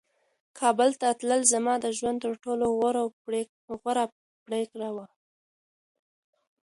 کابل ته تلل زما د ژوند تر ټولو غوره پرېکړه وه.